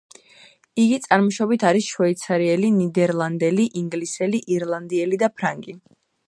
იგი წარმოშობით არის შვეიცარიელი, ნიდერლანდელი, ინგლისელი, ირლანდიელი და ფრანგი.